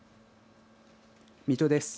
水戸です。